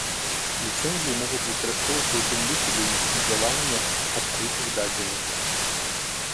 Ліцэнзіі могуць выкарыстоўвацца ў тым ліку для ліцэнзавання адкрытых дадзеных.